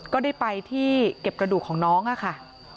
ก็ได้ไปที่เก็บกระดูกของน้องค่ะ